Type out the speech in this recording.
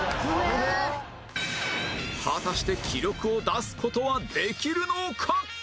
果たして記録を出す事はできるのか？